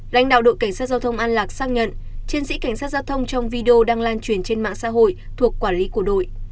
lãnh đạo đội cảnh sát giao thông an lạc xác nhận chiến sĩ cảnh sát giao thông trong video đang lan truyền trên mạng xã hội thuộc quản lý của đội